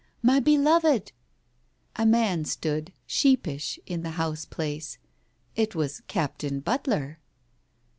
" My beloved!" A man stood, sheepish, in the house place. It was Captain Butler.